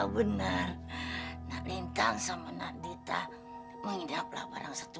soalnya kami jarang dapat tamu